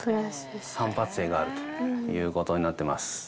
反発性があるということになってます。